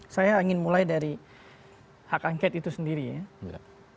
saya ingin mulai dari hak angket itu sendiri ya